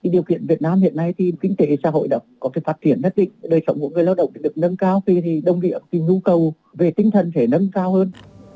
điều kiện việt nam hiện nay thì kinh tế xã hội đã có thể phát triển rất định đời sống của người lao động được nâng cao thì đồng điểm dù cầu về tinh thần sẽ nâng cao hơn